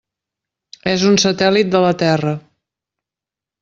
És un satèl·lit de la Terra.